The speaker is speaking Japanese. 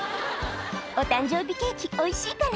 お誕生日ケーキおいしいかな？